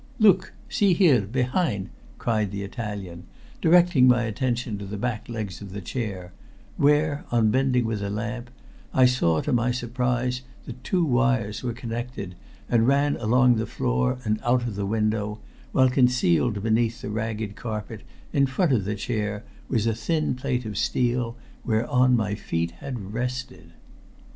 "Look! See here, behind!" cried the Italian, directing my attention to the back legs of the chair, where, on bending with the lamp, I saw, to my surprise, that two wires were connected, and ran along the floor and out of the window, while concealed beneath the ragged carpet, in front of the chair, was a thin plate of steel, whereon my feet had rested.